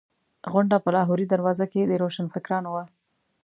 غونډه په لاهوري دروازه کې د روشنفکرانو وه.